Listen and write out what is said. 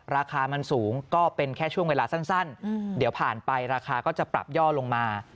ราคามันสูงก็เป็นแค่ช่วงเวลาสั้นเดี๋ยวผ่านไปราคาก็จะปรับย่อลงมา